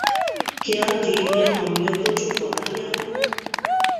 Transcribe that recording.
کیا جیت نے خامیوں کو چھپا دیا ہے